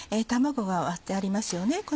卵は割ってありますよね